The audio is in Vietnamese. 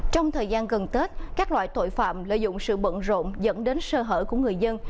trong thời gian gần tết các loại tội phạm lợi dụng sự bận rộn dẫn đến sơ hở của người dân